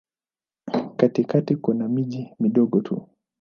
Katikati kuna miji midogo tu.